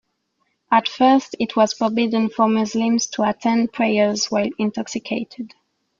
At first, it was forbidden for Muslims to attend prayers while intoxicated.